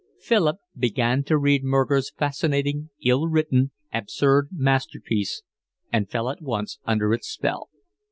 Philip began to read Murger's fascinating, ill written, absurd masterpiece, and fell at once under its spell.